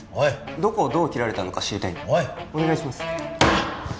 どこをどう切られたのか知りたいんでお願いします